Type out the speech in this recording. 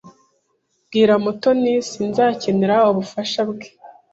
Bwira Mutoni sinzakenera ubufasha bwe.